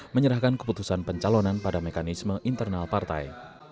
menyerahkan keputusan pencalonan pada mekanisme internal partai